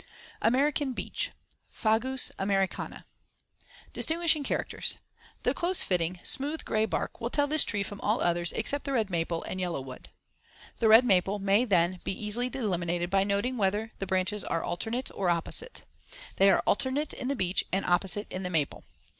AMERICAN BEECH (Fagus americana) Distinguishing characters: The *close fitting, smooth, gray bark* will tell this tree from all others except the red maple and yellow wood. See Fig. 52. The red maple may then be easily eliminated by noting whether the branches are alternate or opposite. They are alternate in the beech and opposite in the maple.